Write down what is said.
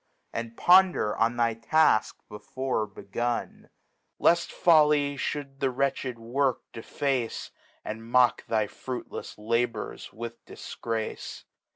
And ponder on thyTaflc before begun, Left Folly fhou'd the wretched Work deface. And mock thy fruitlefs Labors with Difgrace.